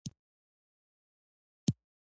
د پلورنځي پیرودونکي باید خوشحاله وساتل شي.